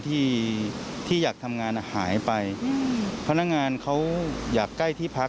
ที่ที่อยากทำงานอ่ะหายไปพนักงานเขาอยากใกล้ที่พัก